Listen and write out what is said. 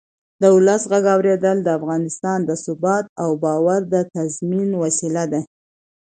د ولس غږ اورېدل د افغانستان د ثبات او باور د تضمین وسیله ده